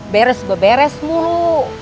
beres beberes mulu